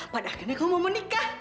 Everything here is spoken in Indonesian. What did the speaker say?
padahal kamu mau menikah